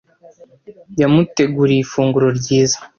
Yamuteguriye ifunguro ryiza.